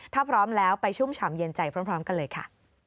ถ้าพร้อมแล้วไปชุ่มฉ่ำเย็นใจพร้อมกันเลยค่ะ